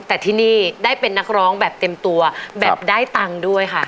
แต่ที่นี่ได้เป็นนักร้องแบบเต็มตัวแบบได้ตังค์ด้วยค่ะ